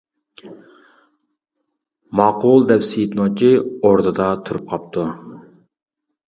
ماقۇل دەپ سېيىت نوچى، ئوردىدا تۇرۇپ قاپتۇ.